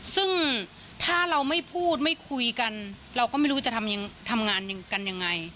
ซึ่งถ้าเราไม่พูดไม่คุยกันเราก็ไม่รู้จะทำงานกันยังไง